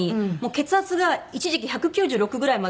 血圧が一時期１９６ぐらいまで。